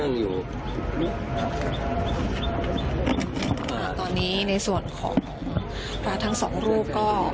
ตอนนี้ในส่วนของพระทั้งสองรูปก็